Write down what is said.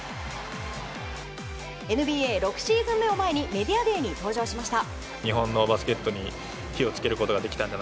ＮＢＡ６シーズン目を前にメディアデーに登場しました。